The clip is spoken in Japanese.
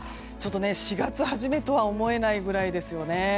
４月初めとは思えないぐらいですよね。